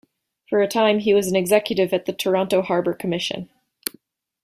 For a time, he was an executive at the Toronto Harbour Commission.